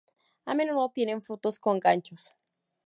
A menudo tienen frutos con ganchos.